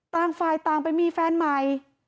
ต่างฝ่ายต่างไปมีแฟนใหม่